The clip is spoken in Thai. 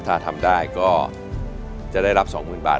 ถ้าทำได้ก็จะได้รับ๒๐๐๐บาท